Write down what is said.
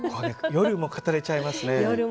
夜も語れちゃうんですね。